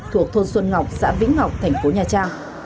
thuộc thôn xuân ngọc xã vĩnh ngọc tp nha trang